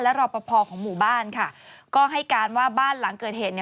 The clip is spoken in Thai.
รอปภของหมู่บ้านค่ะก็ให้การว่าบ้านหลังเกิดเหตุ